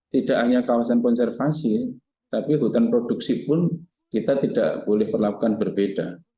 tidak hanya kawasan konservasi tapi hutan produksi pun kita tidak boleh perlakukan berbeda